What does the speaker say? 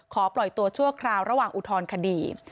ปล่อยตัวชั่วคราวระหว่างอุทธรณคดี